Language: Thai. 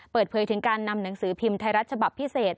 เปิดเผยถึงการนำหนังสือพิมพ์ไทยรัฐฉบับพิเศษ